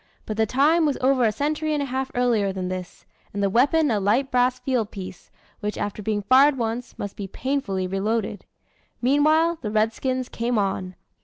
But the time was over a century and a half earlier than this and the weapon a light brass field piece, which after being fired once, must be painfully reloaded. Meanwhile, the redskins came on.